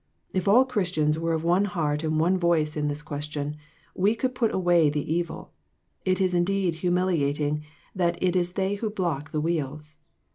If all Christians were of one heart and one voice on this question, we could put away the evil. It is indeed humilia ting that it is they who block the wheels.